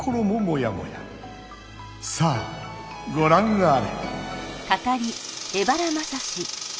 さあごらんあれ！